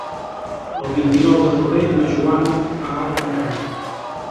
El vint-i-nou de febrer na Joana va a Campanet.